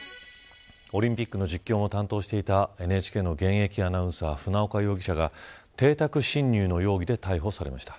オリンピックの実況も担当していたＮＨＫの現役アナウンサー船岡容疑者が邸宅侵入の容疑で逮捕されました。